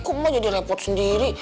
kok mah jadi repot sendiri